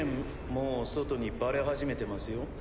もう外にバレはじめてますよ。